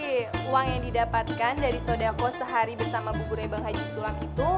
jadi uang yang didapatkan dari sodako sehari bersama buburnya bang haji sulam itu